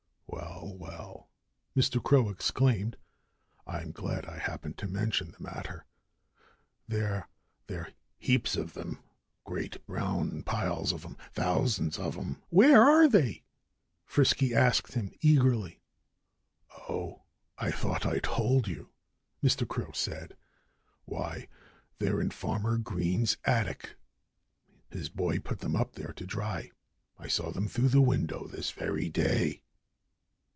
"Well, well!" Mr. Crow exclaimed. "I'm glad I happened to mention the matter. They're there heaps of 'em great brown piles of 'em thousands of 'em!" "Where are they?" Frisky asked him eagerly. "Oh I thought I told you," Mr. Crow said. "Why they're in Farmer Green's attic. His boy put them up there to dry. I saw them through the window, this very day."